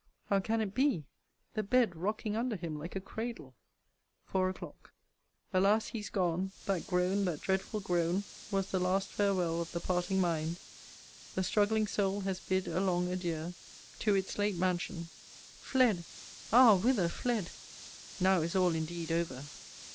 how can it be? the bed rocking under him like a cradle. FOUR O'CLOCK. Alas: he's gone! that groan, that dreadful groan, Was the last farewell of the parting mind! The struggling soul has bid a long adieu To its late mansion Fled! Ah! whither fled? Now is all indeed over!